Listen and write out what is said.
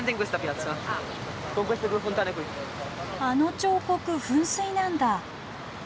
あの彫刻噴水なんだ。